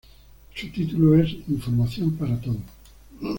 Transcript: Su título es Información para todos.